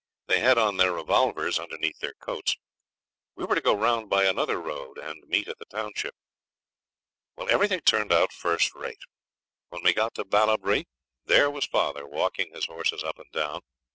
They had on their revolvers underneath their coats. We were to go round by another road and meet at the township. Well, everything turned out first rate. When we got to Ballabri there was father walking his horses up and down.